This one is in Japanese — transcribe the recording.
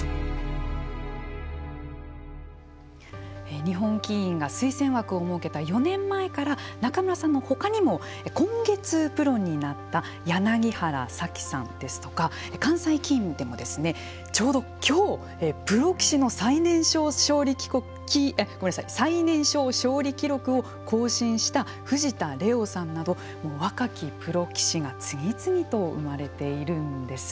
日本棋院が推薦枠を設けた４年前から仲邑さんのほかにも今月プロになった原咲輝さんですとか関西棋院でもちょうど今日プロ棋士の最年少勝利記録を更新した藤田怜央さんなど若きプロ棋士が次々と生まれているんです。